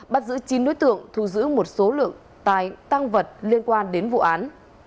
bắt giữ chín đối tượng thu giữ một số lượng tăng vật liên quan đến vụ án